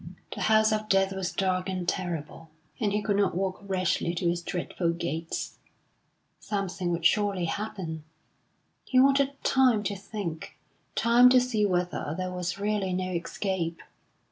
The House of Death was dark and terrible, and he could not walk rashly to its dreadful gates: something would surely happen! He wanted time to think time to see whether there was really no escape.